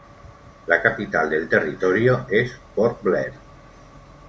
La capital del territorio es Port Blair.